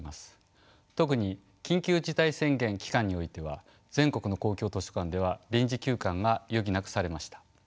特に緊急事態宣言期間においては全国の公共図書館では臨時休館が余儀なくされました。